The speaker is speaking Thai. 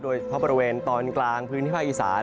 บริเวณตอนกลางพื้นที่ภาคอีสาน